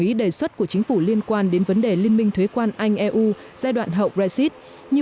ý đề xuất của chính phủ liên quan đến vấn đề liên minh thuế quan anh eu giai đoạn hậu brexit như